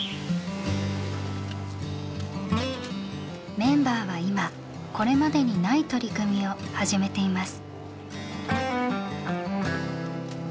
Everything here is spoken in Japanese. メンバーは今これまでにない取り組みを始めています。